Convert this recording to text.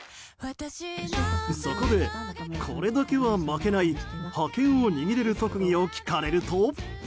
そこで、これだけは負けない覇権を握れる特技を聞かれると。